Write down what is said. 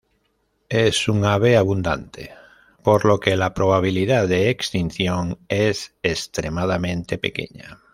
Es un ave abundante, por lo que la probabilidad de extinción es extremadamente pequeña.